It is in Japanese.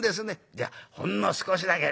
『じゃあほんの少しだけ』。